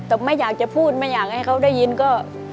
แต่ไม่อยากจะพูดไม่อยากให้เขาได้ยินก็